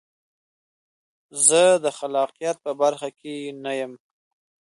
زه د خلاقیت په برخه کې نه یم.